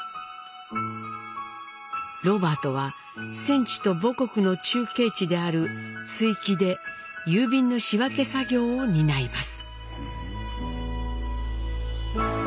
ロバートは戦地と母国の中継地である築城で郵便の仕分け作業を担います。